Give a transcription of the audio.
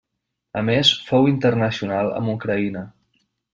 A més fou internacional amb Ucraïna.